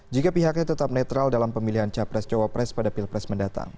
jika pihaknya tetap netral dalam pemilihan capres cawapres pada pilpres mendatang